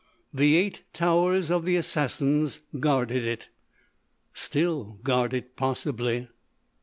The "Eight Towers of the Assassins" guarded it—still guard it, possibly.